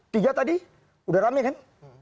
tiga tadi udah rame kan